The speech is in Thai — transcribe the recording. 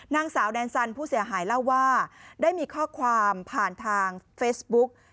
นางสาวแดนสันผู้เสียหายเล่าว่าได้มีข้อความผ่านทางเฟซบุ๊ก